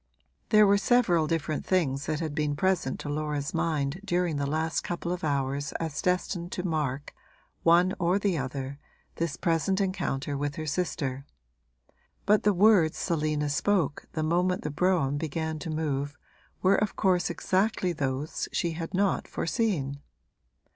There were several different things that had been present to Laura's mind during the last couple of hours as destined to mark one or the other this present encounter with her sister; but the words Selina spoke the moment the brougham began to move were of course exactly those she had not foreseen.